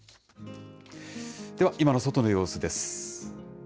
では今の外の様子です。